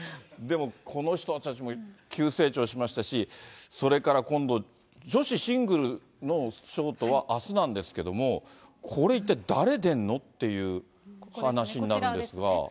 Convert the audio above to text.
でもこの人たちも急成長しましたし、それから今度、女子シングルのショートはあすなんですけれども、これ、一体誰出るのっていう話になるんですが。